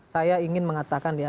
saya ingin mengatakan ya